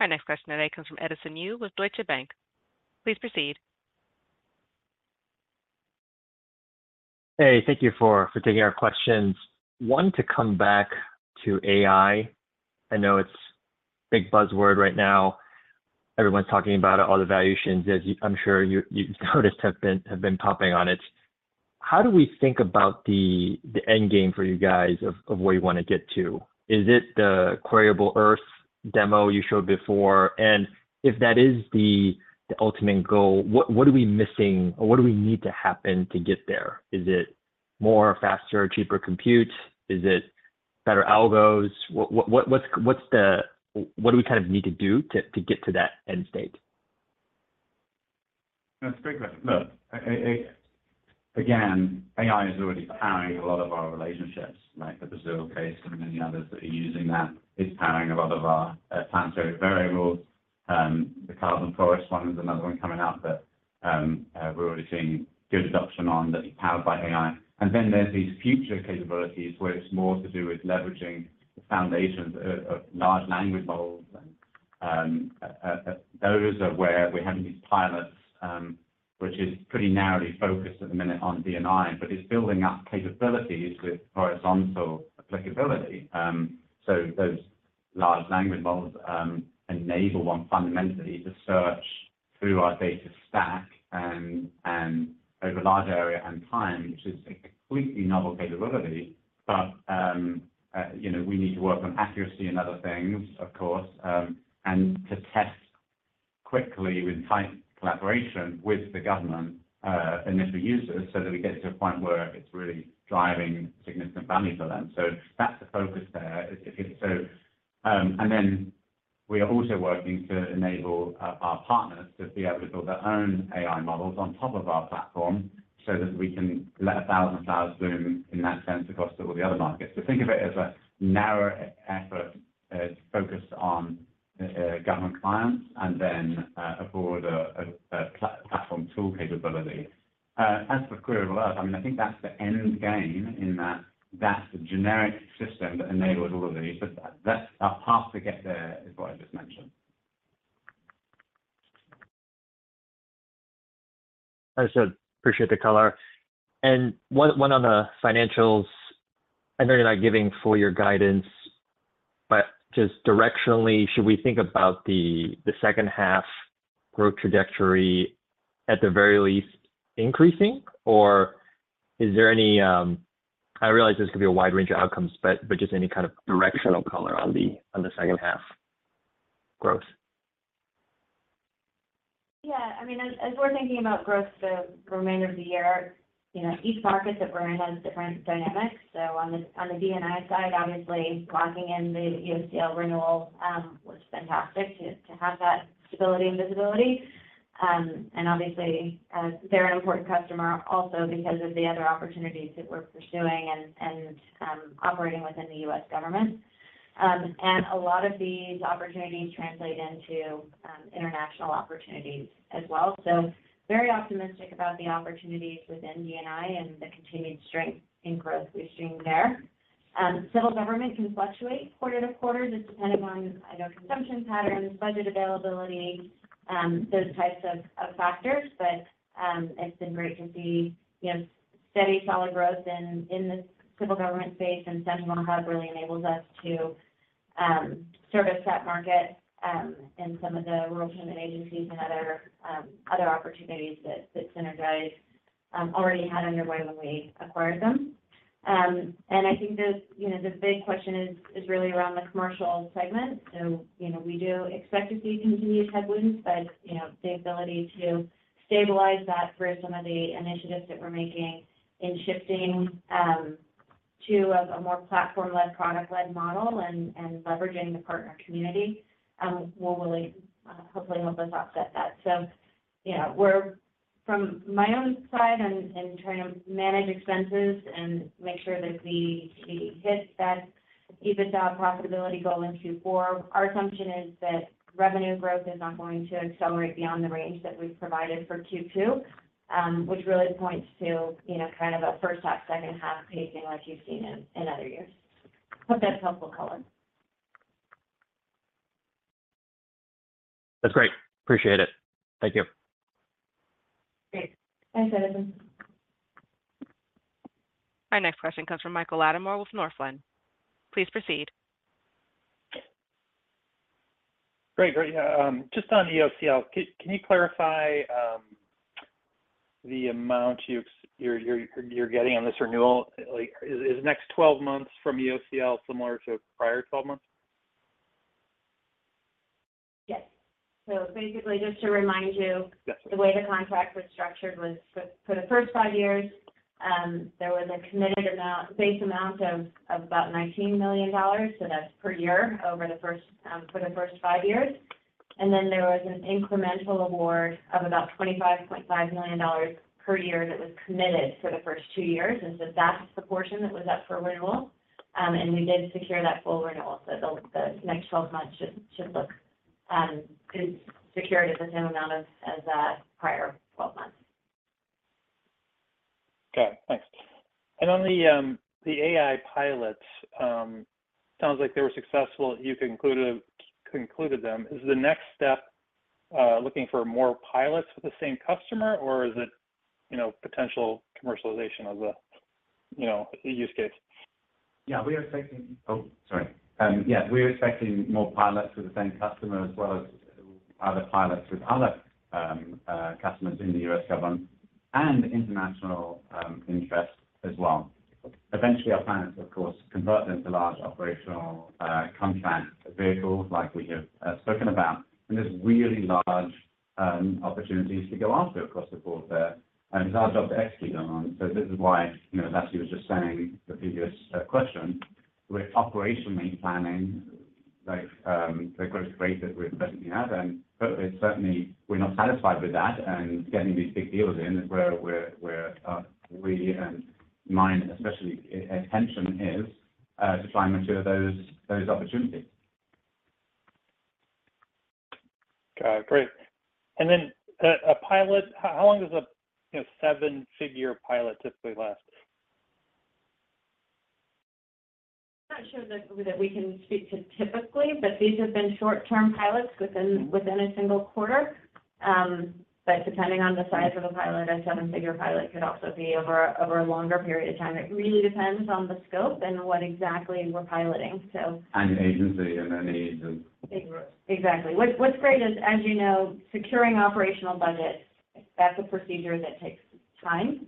Our next question today comes from Edison Yu with Deutsche Bank. Please proceed. Hey. Thank you for taking our questions. Wanting to come back to AI, I know it's a big buzzword right now. Everyone's talking about it. All the valuations, as I'm sure you've noticed, have been popping on it. How do we think about the end game for you guys of where you want to get to? Is it the Queryable Earth demo you showed before? And if that is the ultimate goal, what are we missing? What do we need to happen to get there? Is it more faster, cheaper compute? Is it better algos? What do we kind of need to do to get to that end state? That's a great question. Look, again, AI is already powering a lot of our relationships, like the Basque case and many others that are using that. It's powering a lot of our Planetary Variables. The Carbon Forest one is another one coming out that we're already seeing good adoption on that is powered by AI. And then there's these future capabilities where it's more to do with leveraging the foundations of large language models. And those are where we're having these pilots, which is pretty narrowly focused at the minute on D&I, but it's building up capabilities with horizontal applicability. So those large language models enable one fundamentally to search through our data stack and over large area and time, which is a completely novel capability. But we need to work on accuracy and other things, of course, and to test quickly with tight collaboration with the government initial users so that we get to a point where it's really driving significant value for them. So that's the focus there, if you see. And then we are also working to enable our partners to be able to build their own AI models on top of our platform so that we can let a thousand flowers bloom in that sense across all the other markets. So think of it as a narrower effort focused on government clients and then a broader platform tool capability. As for Queryable Earth, I mean, I think that's the end game in that that's the generic system that enables all of these. But that path to get there is what I just mentioned. I appreciate the color. And one on the financials, I know you're not giving full year guidance, but just directionally, should we think about the second half growth trajectory at the very least increasing? Or is there any—I realize this could be a wide range of outcomes, but just any kind of directional color on the second half growth? Yeah. I mean, as we're thinking about growth for the remainder of the year, each market that we're in has different dynamics. So on the D&I side, obviously, locking in the EOCL renewal was fantastic to have that stability and visibility. And obviously, they're an important customer also because of the other opportunities that we're pursuing and operating within the US government. And a lot of these opportunities translate into international opportunities as well. So very optimistic about the opportunities within D&I and the continued strength in growth we've seen there. Civil government can fluctuate quarter to quarter, just depending on consumption patterns, budget availability, those types of factors. But it's been great to see steady, solid growth in the civil government space. Sentinel Hub really enables us to service that market and some of the rural payment agencies and other opportunities that Sinergise already had underway when we acquired them. I think the big question is really around the commercial segment. We do expect to see continued headwinds, but the ability to stabilize that through some of the initiatives that we're making in shifting to a more platform-led, product-led model and leveraging the partner community will really hopefully help us offset that. From my own side and trying to manage expenses and make sure that we hit that EBITDA profitability goal in Q4, our assumption is that revenue growth is not going to accelerate beyond the range that we've provided for Q2, which really points to kind of a first half, second half pacing like you've seen in other years. Hope that's helpful color. That's great. Appreciate it. Thank you. Thanks, Edison. Our next question comes from Mike Latimore with Northland. Please proceed. Great. Just on EOCL, can you clarify the amount you're getting on this renewal? Is the next 12 months from EOCL similar to prior 12 months? Yes. So basically, just to remind you, the way the contract was structured was for the first five years, there was a committed base amount of about $19 million. So that's per year over for the first five years. And then there was an incremental award of about $25.5 million per year that was committed for the first two years. And so that's the portion that was up for renewal. And we did secure that full renewal. So the next 12 months should look secured at the same amount as prior 12 months. Okay. Thanks. And on the AI pilots, it sounds like they were successful. You concluded them. Is the next step looking for more pilots with the same customer? Or is it potential commercialization of the use case? Yeah. We are expecting. Yeah. We are expecting more pilots with the same customer as well as other pilots with other customers in the U.S. government and international interest as well. Eventually, our plan is to, of course, convert them to large operational contract vehicles like we have spoken about. And there's really large opportunities to go after across the board there. And it's our job to execute on them. So this is why, as Ashley was just saying in the previous question, we're operationally planning the growth rate that we're presently having. But certainly, we're not satisfied with that. And getting these big deals in is where we and mine, especially, attention is to try and mature those opportunities. Great. And then a pilot, how long does a seven-figure pilot typically last? I'm not sure that we can speak to typically, but these have been short-term pilots within a single quarter. But depending on the size of a pilot, a seven-figure pilot could also be over a longer period of time. It really depends on the scope and what exactly we're piloting, so. And agency and any—exactly. What's great is, as you know, securing operational budgets, that's a procedure that takes time.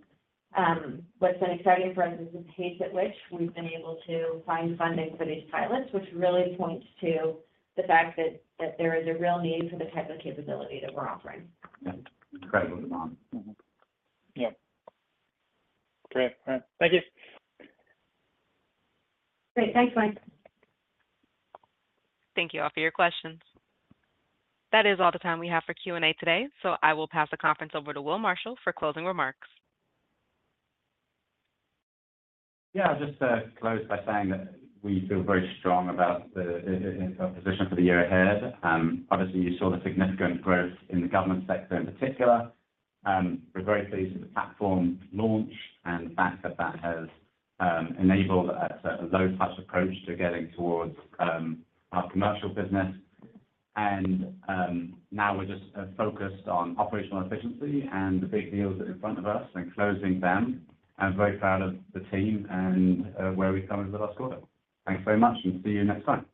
What's been exciting for us is the pace at which we've been able to find funding for these pilots, which really points to the fact that there is a real need for the type of capability that we're offering. Yeah. Incredible demand. Yeah. Great. All right. Thank you. Great. Thanks, Mike. Thank you all for your questions. That is all the time we have for Q&A today. So I will pass the conference over to Will Marshall for closing remarks. Yeah. I'll just close by saying that we feel very strong about our position for the year ahead. Obviously, you saw the significant growth in the government sector in particular. We're very pleased with the platform launch and the fact that that has enabled a low-touch approach to getting towards our commercial business. And now we're just focused on operational efficiency and the big deals that are in front of us and closing them. And I'm very proud of the team and where we've come over the last quarter. Thanks very much, and see you next time.